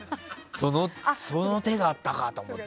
その手があったかと思って。